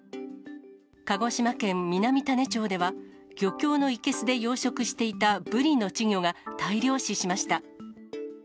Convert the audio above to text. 鹿児島県南種子町では、漁協の生けすで養殖していたブリの稚魚が大量死しました。